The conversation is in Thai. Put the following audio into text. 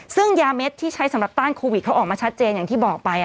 ซึ่งยาเม็ดที่ใช้สำหรับต้านโควิดเขาออกมาชัดเจนอย่างที่บอกไป